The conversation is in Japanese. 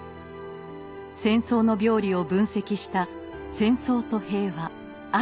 戦争の病理を分析した「戦争と平和ある観察」。